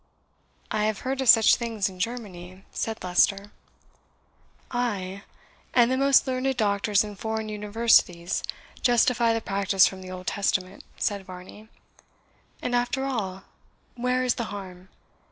"I have heard of such things in Germany," said Leicester. "Ay, and the most learned doctors in foreign universities justify the practice from the Old Testament," said Varney. "And after all, where is the harm?